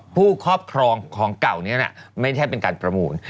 ครอบครองของเก่านี้ไม่ใช่เป็นการประมูล